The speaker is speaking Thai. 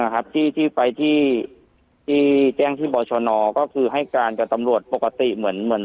ครับที่ไปที่แจ้งที่บรชนก็คือให้การกับตำรวจปกติเหมือนเหมือน